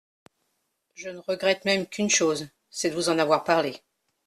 Je ne regrette même qu’une chose, c’est de vous en avoir parlé.